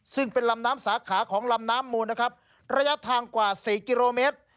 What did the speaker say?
ซึ่งเป็นลำน้ำสาขาของลำน้ำมูลนะครับระยะทางกว่าสี่กิโลเมตร